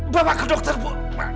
bapak ke dokter bu